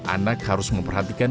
anak harus memperhatikan